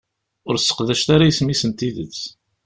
Ur seqdacet ara isem-is n tidet.